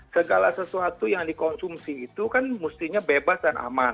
segala sesuatu yang dikonsumsi itu kan mestinya bebas dan aman